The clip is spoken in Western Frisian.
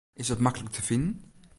Is it maklik te finen?